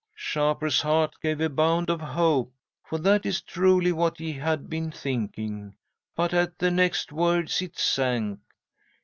"'Shapur's heart gave a bound of hope, for that is truly what he had been thinking. But at the next words it sank.